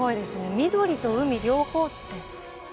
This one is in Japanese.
緑と海両方って。